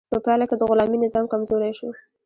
په پایله کې د غلامي نظام کمزوری شو.